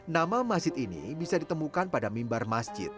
nama masjid ini bisa ditemukan pada mimbar masjid